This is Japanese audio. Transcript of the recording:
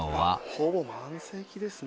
ほぼ満席ですね。